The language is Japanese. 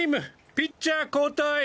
ピッチャー交代！